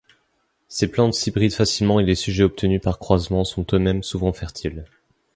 Ces plantes s'hybrident facilement et les sujets obtenus par croisement sont eux-mêmes souvent fertiles.